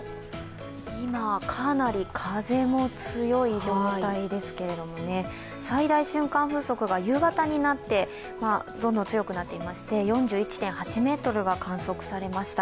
今、かなり風も強い状態ですけれども、最大瞬間風速が夕方になってどんどん強くなっていまして４１．８メートルが観測されました